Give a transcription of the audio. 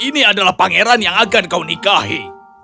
ini adalah pangeran yang akan kau nikahi